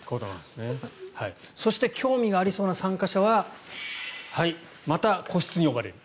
そして興味がありそうな参加者はまた個室に呼ばれる。